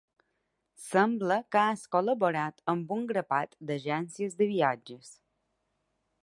Sembla que has col·laborat amb un grapat d’agències de viatges.